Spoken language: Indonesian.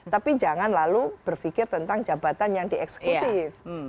tapi jangan lalu berpikir tentang jabatan yang dieksekutif